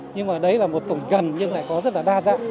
nhưng mà đấy là một tổng gần nhưng lại có rất là đa dạng